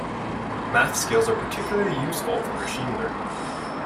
Maths skills are particularly useful for machine learning.